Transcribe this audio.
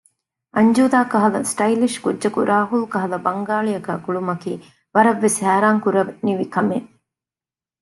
އަންޖޫދާ ކަހަލަ ސްޓައިލިޝް ކުއްޖަކު ރާހުލް ކަހަލަ ބަންގާޅި އަކާ ގުޅުމަކީ ވަރަށް ވެސް ހައިރާންކުރަނިވި ކަމެއް